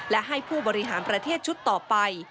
และให้ผู้บริหารประเทศชุดต่อไป